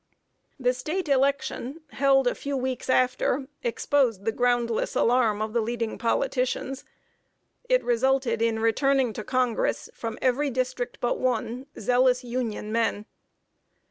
The State election, held a few weeks after, exposed the groundless alarm of the leading politicians. It resulted in returning to Congress, from every district but one, zealous Union men.